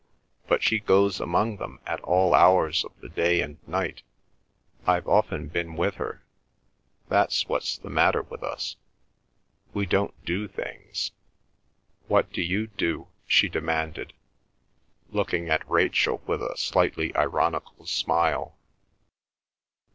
But she goes among them at all hours of the day and night. I've often been with her. ... That's what's the matter with us. ... We don't do things. What do you do?" she demanded, looking at Rachel with a slightly ironical smile.